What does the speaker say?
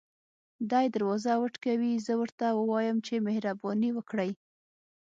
دی دروازه وټکوي زه ورته ووایم چې مهرباني وکړئ.